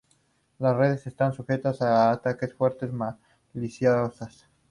Las redes están sujetas a ataques de fuentes maliciosas.